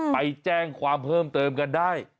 ไปแจ้งความเพิ่มเติมกันได้